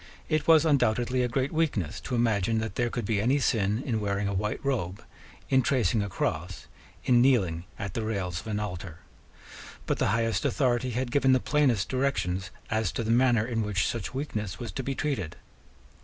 It was undoubtedly a great weakness to imagine that there could be any sin in wearing a white robe, in tracing a cross, in kneeling at the rails of an altar. But the highest authority had given the plainest directions as to the manner in which such weakness was to be treated.